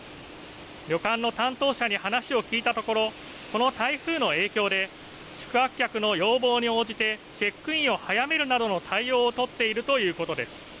旅館の担当者に話を聞いたところこの台風の影響で宿泊客の要望に応じてチェックインを早めるなどの対応を取っているということです。